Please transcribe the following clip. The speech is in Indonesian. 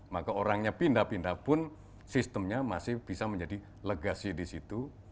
maka orangnya pindah pindah pun sistemnya masih bisa menjadi legasi di situ